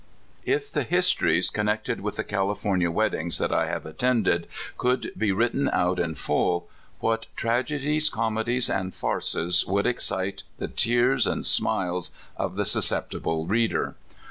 IF the histories connected with the California vveddinos that I have attended could be writ ten out in lull, what tragedies, comedies, and farces would excite the tears and smiles of the susceptible reader!